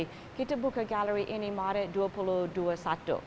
kami membuka galeri ini pada maret dua ribu dua puluh satu